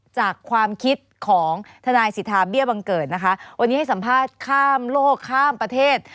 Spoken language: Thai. จากความคิดของทนายสิทธาเบี้ยบังเกิดนะคะวันนี้ให้สัมภาษณ์ข้ามโลกข้ามประเทศ